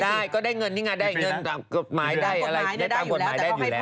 ก็ได้ก็ได้เงินนี่ไงได้เงินตามกฎหมายได้อะไรได้ตามกฎหมายได้อยู่แล้ว